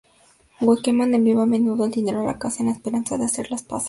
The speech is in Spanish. Wakeman enviaba a menudo dinero a casa en la esperanza de hacer las paces.